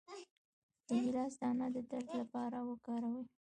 د ګیلاس دانه د درد لپاره وکاروئ